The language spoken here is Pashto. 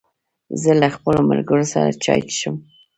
زه له خپلو ملګرو سره چای څښم.